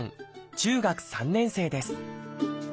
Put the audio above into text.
中学３年生です。